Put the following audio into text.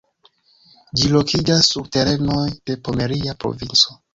Ĝi lokiĝas sur terenoj de Pomeria Provinco.